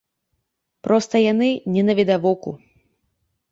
Проста яны не навідавоку.